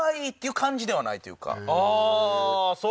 ああそう。